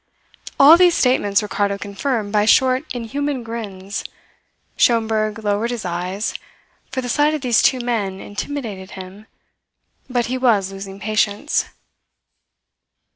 All these statements Ricardo confirmed by short, inhuman grins. Schomberg lowered his eyes, for the sight of these two men intimidated him; but he was losing patience.